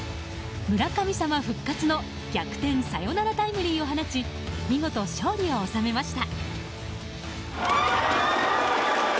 村神様復活の逆転サヨナラタイムリーを放ち見事、勝利を収めました。